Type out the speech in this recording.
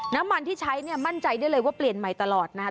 น้ำมันที่ใช้เนี่ยมั่นใจได้เลยว่าเปลี่ยนใหม่ตลอดนะครับ